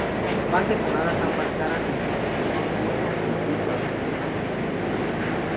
Van decoradas ambas caras mediante de puntos incisos dentro del círculo.